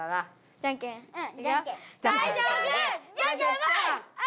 じゃんけんぽい！